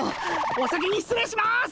お先に失礼します！